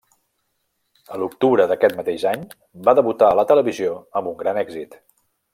A l'octubre d'aquest mateix any, va debutar a la televisió, amb un gran èxit.